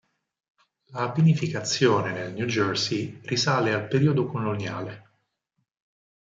La vinificazione nel New Jersey risale al periodo coloniale.